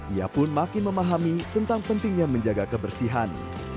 ia pun makin memahami tentang pentingnya menjaga kebersihan